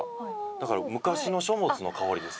だから昔の書物の香りです。